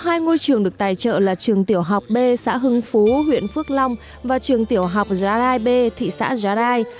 hai ngôi trường được tài trợ là trường tiểu học b xã hưng phú huyện phước long và trường tiểu học jarai b thị xã jarai